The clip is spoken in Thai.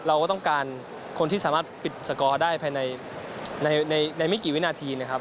เราก็ต้องการคนที่สามารถปิดสกอร์ได้ภายในไม่กี่วินาทีนะครับ